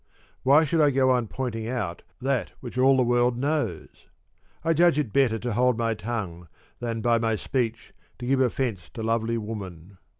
Why should I go on pointing out that which all the world knows ? I judge it better to hold my tongue, than by my speech to give offence to lovely woman.